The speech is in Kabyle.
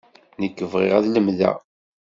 Nekk bɣiɣ ad lemdeɣ.